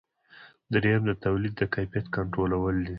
دریم د تولیداتو د کیفیت کنټرولول دي.